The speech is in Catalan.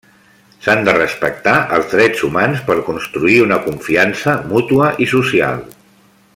S'han de respectar els drets humans per construir una confiança mútua i social.